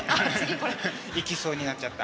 いきそうになっちゃった。